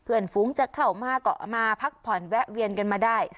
ฟุ้งจะเข้ามาเกาะมาพักผ่อนแวะเวียนกันมาได้